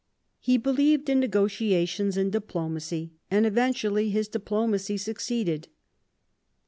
He believed in negotiations and diplomacy, and eventually his diplomacy succeeded.